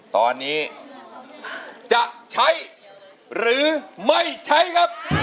ตอนนี้จะใช้หรือไม่ใช้ครับ